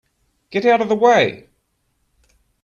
Get out of the way!